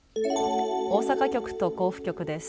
大阪局と甲府局です。